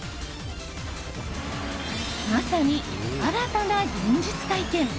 まさに新たな現実体験。